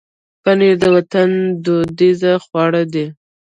پنېر د وطن دودیز خواړه دي.